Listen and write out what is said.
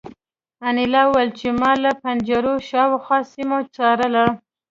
انیلا وویل چې ما له پنجرو شاوخوا سیمه څارله